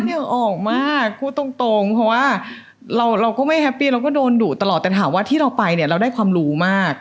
เหนียวออกมากพูดตรงเพราะว่าเราก็ไม่แฮปปี้เราก็โดนดุตลอดแต่ถามว่าที่เราไปเนี่ยเราได้ความรู้มาก